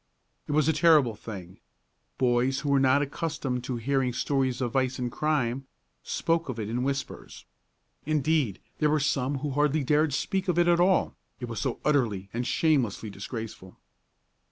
It was a terrible thing. Boys who were not accustomed to hearing stories of vice and crime, spoke of it in whispers. Indeed, there were some who hardly dared speak of it at all, it was so utterly and shamelessly disgraceful.